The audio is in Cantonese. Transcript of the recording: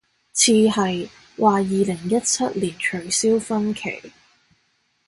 似係，話二零一七年取消婚期